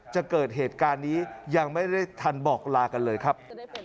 จะเกิดเหตุการณ์นี้ยังไม่ได้ทันบอกลากันเลยครับ